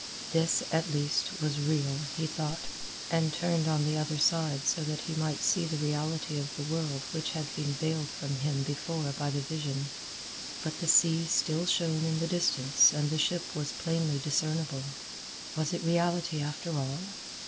This, at least, was real, he thought, and turned on the other side so that he might see the reality of the world which had been veiled from him before by the vision. But the sea still shone in the distance and the ship was plainly discernible. Was it reality, after all?